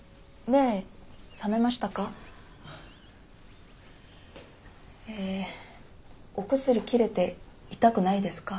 えぇお薬切れて痛くないですか？